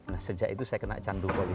nah sejak itu saya kena candu bali